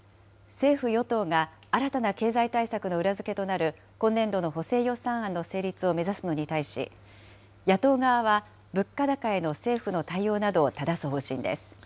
政府・与党が新たな経済対策の裏付けとなる今年度の補正予算案の成立を目指すのに対し、野党側は物価高への政府の対応などをただす方針です。